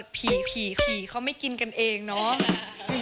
ผีขี่เขาไม่กินกันเองเนาะ